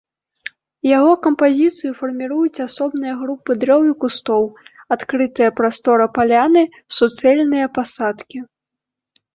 Яго кампазіцыю фарміруюць асобныя групы дрэў і кустоў, адкрытая прастора паляны, суцэльныя пасадкі.